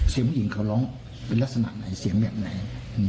เสียงผู้หญิงเขาร้องเป็นลักษณะไหนเสียงแบบไหน